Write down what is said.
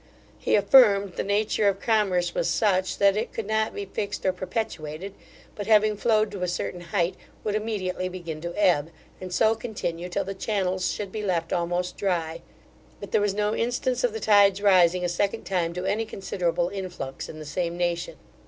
He affirmed, the nature of commerce was such, that it could not be fixed or perpetuated, but, having flowed to a certain height, would immediately begin to ebb, and so continue till the channels should be left almost dry; but there was no instance of the tide's rising a second time to any considerable influx in the same nation.